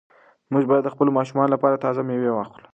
موږ باید د خپلو ماشومانو لپاره تازه مېوې واخلو.